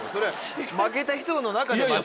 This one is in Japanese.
負けた人の中でまた。